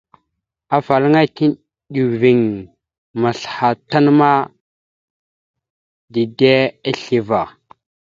Afalaŋa tiɗəviŋ maslaha tan ma, dide isleva.